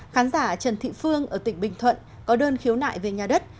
khán giả trần thị phương ở tỉnh bình thuận có đơn khiếu nại về nhà đất